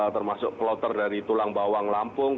termasuk kloter dari tulang bawang lampung